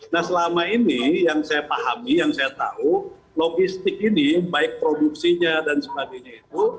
nah selama ini yang saya pahami yang saya tahu logistik ini baik produksinya dan sebagainya itu